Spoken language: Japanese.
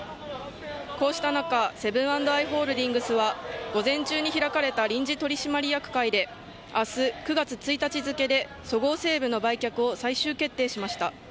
こうした中、セブン＆アイ・ホールディングスは午前中に開かれた臨時取締役会で明日９月１日付でそごう・西武の売却を最終決定しました。